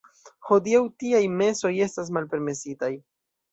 Hodiaŭ tiaj mesoj estas malpermesitaj.